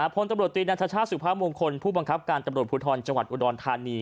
ภวนตรวจตรีนาธชาสุภาพมงคลผู้บังคับการตรวจภูทรจังหวัดอุดอนธานี